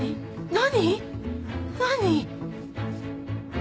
何？